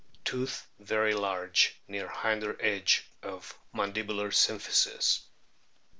Tooth very large, near hinder edge of mandibular symphysis.